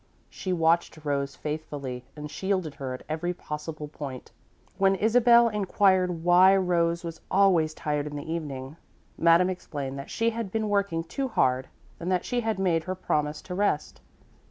She watched Rose faithfully and shielded her at every possible point. When Isabel inquired why Rose was always tired in the evening, Madame explained that she had been working too hard and that she had made her promise to rest.